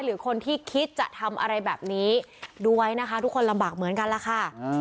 หรือคนที่คิดจะทำอะไรแบบนี้ดูไว้นะคะทุกคนลำบากเหมือนกันล่ะค่ะ